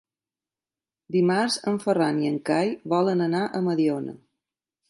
Dimarts en Ferran i en Cai volen anar a Mediona.